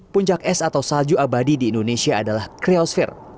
puncak es atau salju abadi di indonesia adalah creosfer